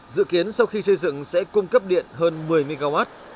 dự kiến sau khi xây dựng sẽ cung cấp điện hơn một mươi mw